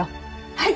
はい！